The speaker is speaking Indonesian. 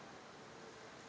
dan penyelidikan di ppt